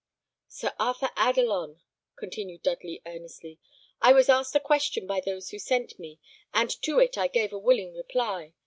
"Sir Arthur Adelon," continued Dudley, earnestly, "I was asked a question by those who sent me, and to it I gave a willing reply.